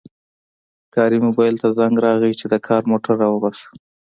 کاري موبایل ته زنګ راغی چې د کار موټر راوباسه